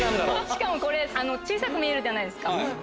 しかもこれ小さく見えるじゃないですか。